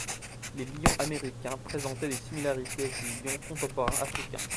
Les lions américains présentaient des similarités avec les lions contemporains africains.